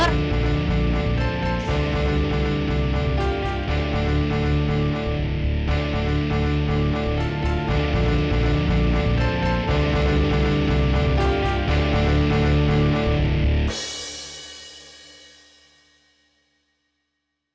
hah kamu dengar